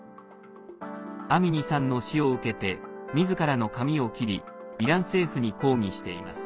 アミニさんの死を受けてみずからの髪を切りイラン政府に抗議しています。